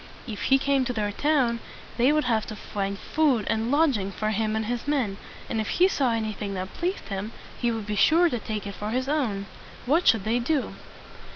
If he came to their town, they would have to find food and lodg ing for him and his men; and if he saw anything that pleased him, he would be sure to take it for his own. What should they do?